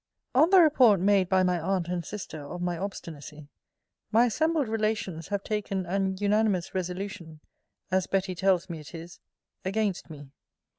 On the report made by my aunt and sister of my obstinacy, my assembled relations have taken an unanimous resolution (as Betty tells me it is) against me.